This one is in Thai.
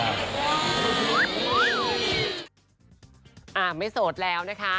อ่าไม่โสดแล้วนะคะ